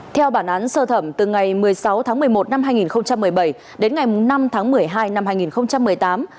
theo bản án sơ thẩm từ ngày một mươi sáu tháng một mươi một năm hai nghìn một mươi bảy đến ngày năm tháng một mươi hai năm hai nghìn một mươi tám